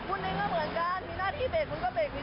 คุณเองก็เหมือนกันมีหน้าที่เบรกคุณก็เบรกนี้